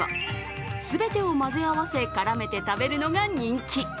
全てを混ぜ合わせ絡めて食べるのが人気。